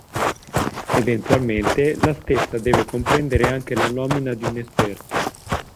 Eventualmente, la stessa deve comprendere anche la nomina di un esperto.